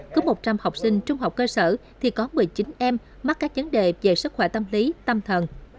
cứ một trăm linh học sinh trung học cơ sở thì có một mươi chín em mắc các vấn đề về sức khỏe tâm lý tâm thần